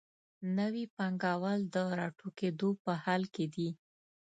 نوي پانګوال د راټوکېدو په حال کې دي.